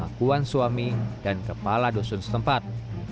lakuan suami dan kepala dosun setempat